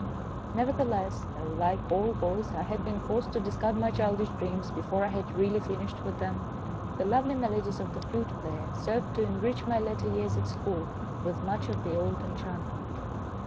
Nevertheless, though like all boys I had been forced to discard my childish dreams before I had really finished with them, the lovely melodies of the flute player served to enrich my latter years at school with much of the old enchantment.